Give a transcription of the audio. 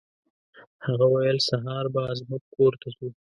هغه ویل سهار به زموږ کور ته ځو.